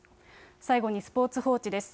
最後にスポーツ報知です。